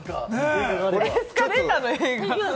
エスカレーターの映画？